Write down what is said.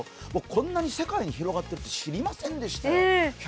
こんなに世界に広がってるって知りませんでしたよ。